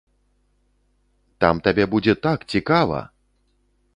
Там табе будзе так цікава!